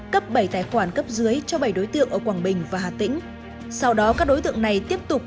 cấp bảy tài khoản cấp dưới cho bảy đối tượng ở quảng bình và hà tĩnh sau đó các đối tượng này tiếp tục